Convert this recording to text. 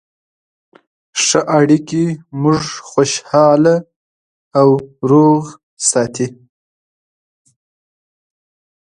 ښه اړیکې موږ خوشحاله او روغ ساتي.